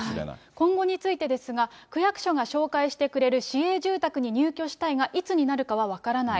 今後についてですが、区役所が紹介してくれる市営住宅に入居したいが、いつになるかは分からない。